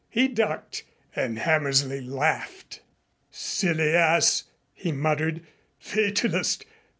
He ducked and Hammersley laughed. "Silly ass!" he muttered. "Fatalist!